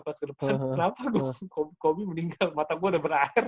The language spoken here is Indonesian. pas ke depan kenapa kobe meninggal mata gue udah berair